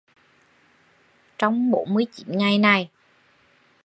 trong bốn mươi chín ngày này